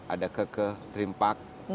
ada keke dream park